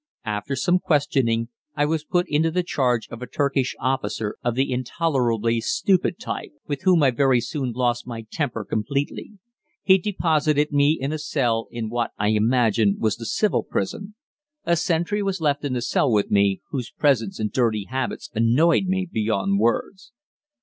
After some questioning, I was put into the charge of a Turkish officer of the intolerably stupid type, with whom I very soon lost my temper completely. He deposited me in a cell in what I imagine was the civil prison. A sentry was left in the cell with me, whose presence and dirty habits annoyed me beyond words.